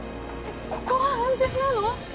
ここは安全なの？